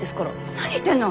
何言ってんの！